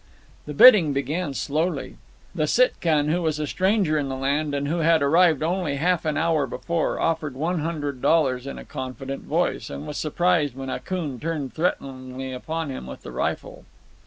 The bidding began slowly. The Sitkan, who was a stranger in the land and who had arrived only half an hour before, offered one hundred dollars in a confident voice, and was surprised when Akoon turned threateningly upon him with the rifle.